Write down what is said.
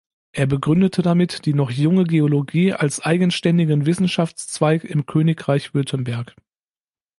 Er begründete damit die noch junge Geologie als eigenständigen Wissenschaftszweig im Königreich Württemberg.